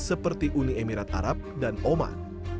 seperti uni emirat arab dan oman